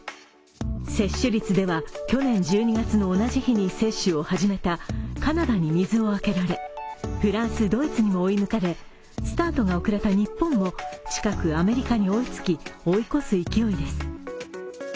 接種率では去年１２月の同じ日に接種を始めたカナダに水をあけられフランス、ドイツにも追い抜かれ、スタートが遅れた日本も近くアメリカに追いつき、追い越す勢いです。